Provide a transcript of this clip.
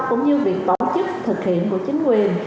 cũng như việc tổ chức thực hiện của chính quyền